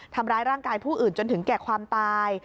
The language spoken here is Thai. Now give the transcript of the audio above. ทำร้ายร่างกายผู้อื่นจนถึงแก่ความตาย